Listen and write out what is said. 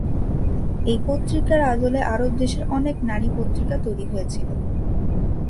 এই পত্রিকার আদলে আরব দেশের অনেক নারী পত্রিকা তৈরি হয়েছিল।